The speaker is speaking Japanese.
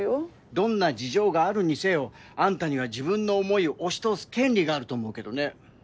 どんな事情があるにせよあんたには自分の思いを押し通す権利があると思うけどね。